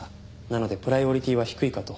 なのでプライオリティは低いかと。